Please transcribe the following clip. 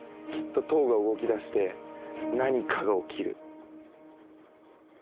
きっと塔が動きだして何かが起きる。